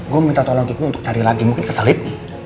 gue minta tolong kiki untuk cari lagi mungkin keselip